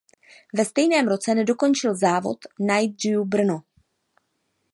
Ve stejném roce nedokončil závod Night Drive Brno.